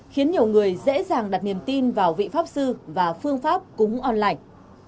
khiến nhiều người dễ dàng đặt niềm tin vào vị pháp sư và phương pháp cúng online